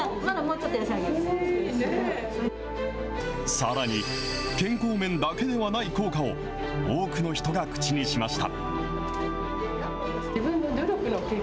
さらに健康面だけではない効果を多くの人が口にしました。